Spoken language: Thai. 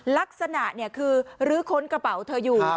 ลักษณะคือลื้อค้นกระเป๋าเธออยู่